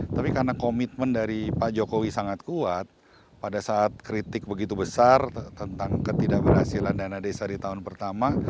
tapi karena komitmen dari pak jokowi sangat kuat pada saat kritik begitu besar tentang ketidakberhasilan dana desa di tahun pertama